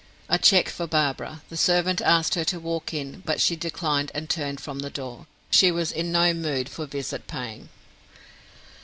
A check for Barbara. The servant asked her to walk in, but she declined and turned from the door. She was in no mood for visit paying.